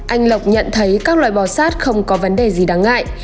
anh lộc nhận thấy các loài bò sát không có vấn đề gì đáng ngại